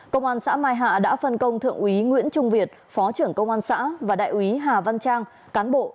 công an xã mai hạ đã phân công thượng úy nguyễn trung việt phó trưởng công an xã và đại úy hà văn trang cán bộ